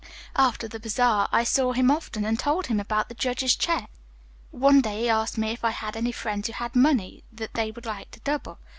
"After the bazaar I saw him often and told him about the judge's check. "One day he asked me if I had any friends who had money that they would like to double.